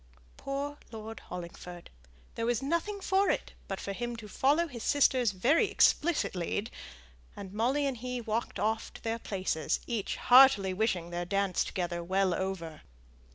Poor Lord Hollingford! there was nothing for it but for him to follow his sister's very explicit lead, and Molly and he walked off to their places, each heartily wishing their dance together well over.